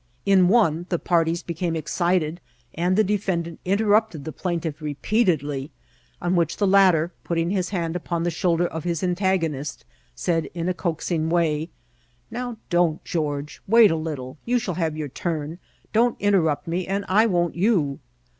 In one the parties became excited, and the defendant interrupted the plaintiff repeatedly, on which the latter, putting his hand upon the shoulder of his antagonist, said, in a coaxing way, " Now don't, George ; wait a little, you shall have your turn. Don't interrupt me, and I won't you.'?